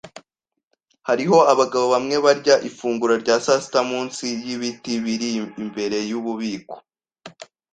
Hariho abagabo bamwe barya ifunguro rya sasita munsi yibiti biri imbere yububiko.